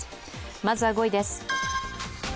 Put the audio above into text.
まずは５位です。